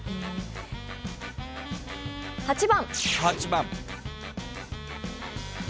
８番。